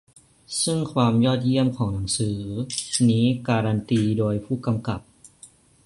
ซึ่งความยอดเยี่ยมของหนังเรื่องนี้การันตีโดยผู้กำกับ